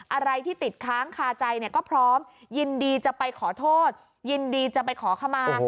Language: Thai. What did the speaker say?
อะไรที่ติดค้างคาใจเนี่ยก็พร้อมยินดีจะไปขอโทษยินดีจะไปขอขมา